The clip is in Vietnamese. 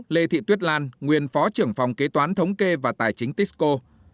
ba lê thị tuyết lan nguyên phó trưởng phòng kế toán thống kê và tài chính tisco